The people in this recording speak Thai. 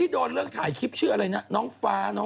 พี่โดนเรื่องทายคลิปชื่ออะไรนะน้องฟ้า